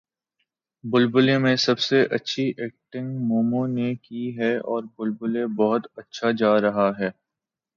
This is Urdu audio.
بلبلے میں سب سے اچھی ایکٹنگ مومو نے کی ہے اور بلبلے بہت اچھا جا رہا ہے